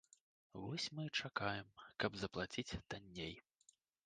Вось мы і чакаем, каб заплаціць танней.